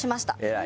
偉い。